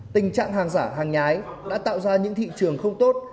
tình trạng hàng giả hàng nhái đã tạo ra những thị trường không tốt